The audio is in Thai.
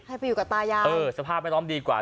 ให้ไปอยู่กับตายางเออสภาพไม่ร้อมดีกว่า